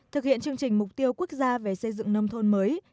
thực hiện chương trình mục tiêu quốc gia về xây dựng nông thôn mới